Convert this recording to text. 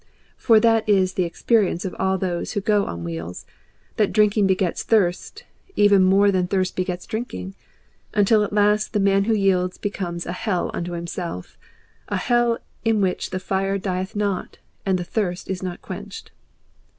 (For that is the experience of all those who go on wheels, that drinking begets thirst, even more than thirst begets drinking, until at last the man who yields becomes a hell unto himself, a hell in which the fire dieth not, and the thirst is not quenched.)